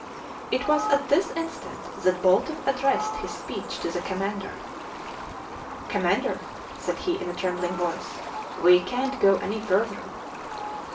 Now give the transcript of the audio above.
It was at this instant that Bolton addressed his speech to the commander. "Commander!" said he in a trembling voice, "we can't go any further."